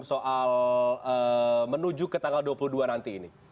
soal menuju ke tanggal dua puluh dua nanti ini